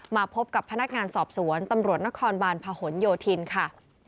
มาพบกับพนักงานสอบสวนตำรวจนครบาลพหนโยธินค่ะ